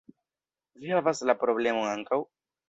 Vi havas la problemon ankaŭ